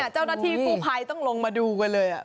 เจ้าหน้าที่กู้ภัยต้องลงมาดูกันเลย